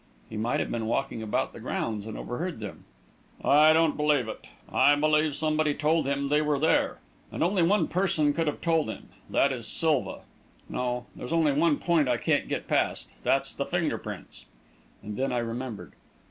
"He might have been walking about the grounds and overheard them." "I don't believe it. I believe somebody told him they were there. And only one person could have told him that is Silva. No there's only one point I can't get past that's the finger prints." And then I remembered.